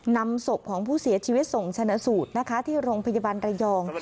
นำศพของผู้เสียชีวิตส่งชนะสูตรนะคะที่โรงพยาบาลระยอง